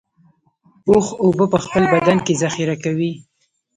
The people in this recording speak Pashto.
اوښ اوبه په خپل بدن کې ذخیره کوي